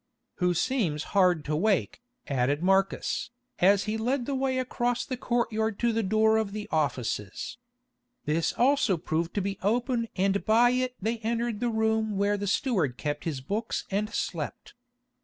"Who seems hard to wake," added Marcus, as he led the way across the courtyard to the door of the offices. This also proved to be open and by it they entered the room where the steward kept his books and slept.